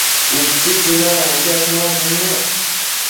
Ubi tsinanacquiash muaquid nec